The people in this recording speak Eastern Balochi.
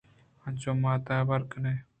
انچوکہ مات حبر کن اَنت